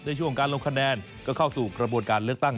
ในช่วงการลงคะแนนก็เข้าสู่กระบวนการเลือกตั้ง